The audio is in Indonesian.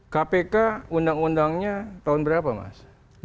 kpk undang undangnya tahun berapa mas